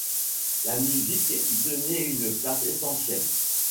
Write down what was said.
La musique y tenait une place essentielle.